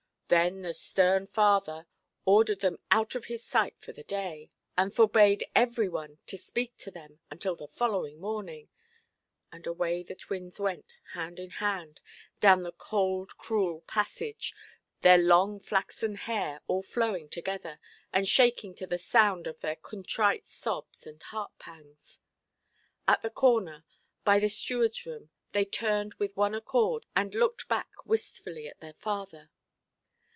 Then the stern father ordered them out of his sight for the day, and forbade every one to speak to them until the following morning; and away the twins went, hand in hand, down the cold cruel passage, their long flaxen hair all flowing together, and shaking to the sound of their contrite sobs and heart–pangs. At the corner, by the stewardʼs room, they turned with one accord, and looked back wistfully at their father.